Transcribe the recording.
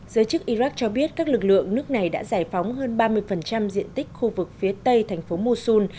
giới chức iraq cho biết các lực lượng nước này đã giải phóng hơn ba mươi diện tích khu vực phía tây thành phố mussol